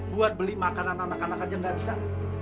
buat beli makanan anak anak aja nggak bisa